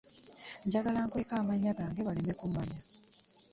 Njagala nkweke amannya gange baleme kummanya.